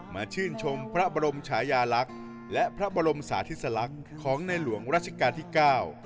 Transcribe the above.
มาชื่นชมพระบรมชายาหลักและพระบรมสาธิษฐรรคของในหลวงราชกาลที่เก้า